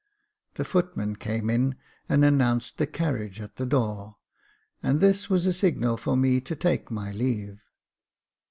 The foot man came in and announced the carriage at the door, and this was a signal for me to take my leave.